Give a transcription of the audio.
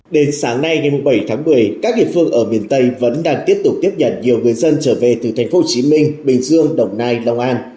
đến sáng nay ngày bảy tháng một mươi các địa phương ở miền tây vẫn đang tiếp tục tiếp nhận nhiều người dân trở về từ thành phố hồ chí minh bình dương đồng nai long an